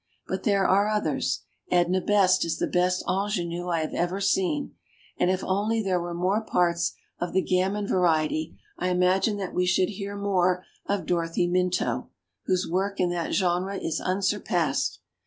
But there are others. Edna Best is the best ingdnue I have ever seen; and if only there were more parts of the gamine variety, I imagine that we should hear more of Dorothy Minto, whose work in that genre is unsur passed.